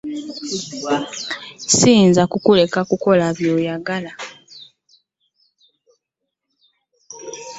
Ssiyinza kukuleka kukola bye mwagala.